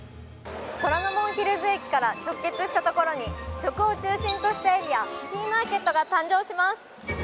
虎ノ門ヒルズ駅から直結したところに食を中心としたエリアＴーＭＡＲＫＥＴが誕生します。